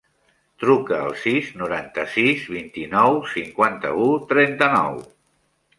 Truca al sis, noranta-sis, vint-i-nou, cinquanta-u, trenta-nou.